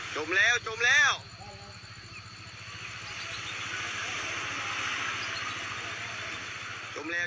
มแล้วจมแล้วจมแล้ว